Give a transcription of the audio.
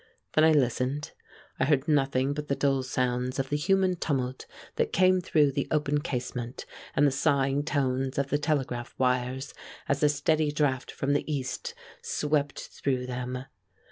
Then I listened. I heard nothing but the dull sounds of the human tumult that came through the open casement, and the sighing tones of the telegraph wires as the steady draft from the east swept through them.